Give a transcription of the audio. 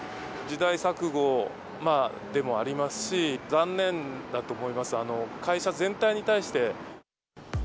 時代錯誤でもありますし、残念だと思います、会社全体に対して。